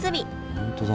本当だ。